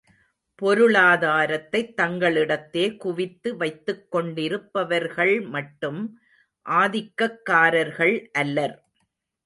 பொருளாதாரத்தைத் தங்களிடத்தே குவித்து வைத்துக்கொண்டிருப்பவர்கள் மட்டும் ஆதிக்கக்காரர்கள் அல்லர்.